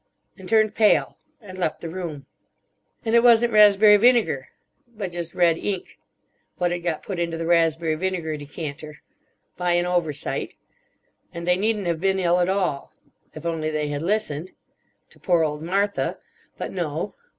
And turned pale. And left the room. "And it wasn't raspberry vinegar. But just red ink. What had got put into the raspberry vinegar decanter. By an oversight. And they needn't have been ill at all. If only they had listened. To poor old Martha. But no.